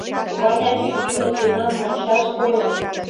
Ваня чӱчӱмыт тунам мончаш пуреныт.